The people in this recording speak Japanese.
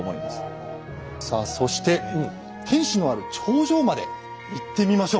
さあそして天主のある頂上まで行ってみましょう。